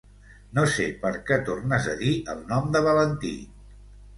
No sé per què tornes a dir el nom de Valentí.